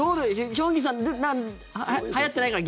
ヒョンギさんはやってないかな？